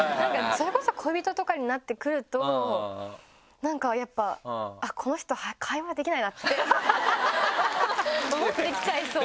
それこそ恋人とかになってくるとなんかやっぱこの人会話できないなって思ってきちゃいそうな。